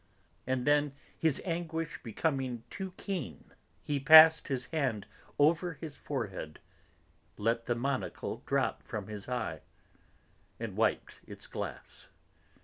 And then, his anguish becoming too keen, he passed his hand over his forehead, let the monocle drop from his eye, and wiped its glass.